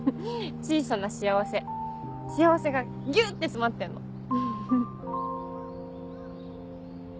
「小さな幸せ」幸せがギュって詰まってんの。